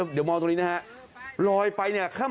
เดี๋ยวมองตรงนี้นะฮะลอยไปเนี่ย